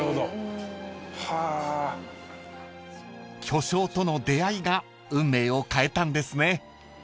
［巨匠との出会いが運命を変えたんですね］